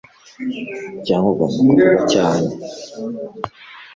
Cyangwa ugomba kuvuga cyane